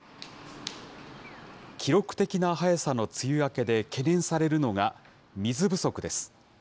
記録的な早さの梅雨明けで、懸念されるのが水不足です。